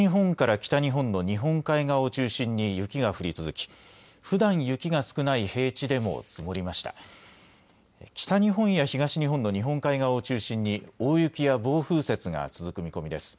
北日本や東日本の日本海側を中心に大雪や暴風雪が続く見込みです。